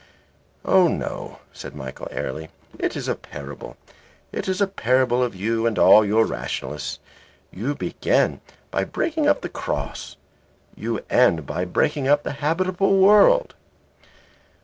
"Oh, no," said Michael, airily. "It is a parable. It is a parable of you and all your rationalists. You begin by breaking up the Cross; but you end by breaking up the habitable world.